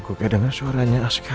gue kayak dengar suaranya asghar